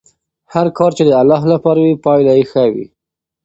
هر کار چې د الله لپاره وي پایله یې ښه وي.